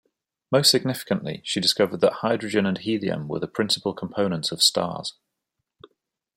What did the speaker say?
Most significantly, she discovered that hydrogen and helium were the principal components of stars.